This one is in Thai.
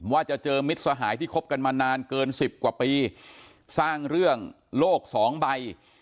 ว่าจะเจอมิตรสหายที่คบกันมานานเกินสิบกว่าปีสร้างเรื่องโลกสองใบ